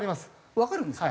わかるんですか。